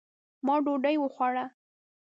ما ډوډۍ وخوړه